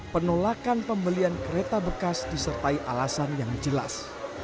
penolakan pembelian kereta bekas disertai alasan yang jelas